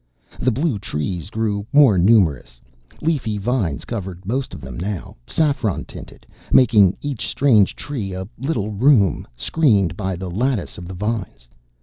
The blue trees grew more numerous. Leafy vines covered most of them now, saffron tinted, making each strange tree a little room, screened by the lattice of the vines.